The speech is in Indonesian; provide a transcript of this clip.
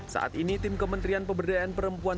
saat ini tim kementerian pemberdayaan perempuan